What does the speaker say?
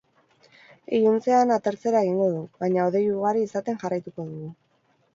Iluntzean atertzera egingo du, baina hodei ugari izaten jarraituko dugu.